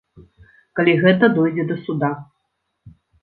Калі гэта дойдзе да суда.